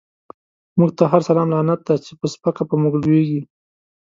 موږ ته هر سلام لعنت دی، چی په سپکه په موږ لويږی